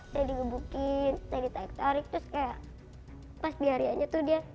saya digebukin saya ditarik tarik terus kayak pas di hari aja tuh dia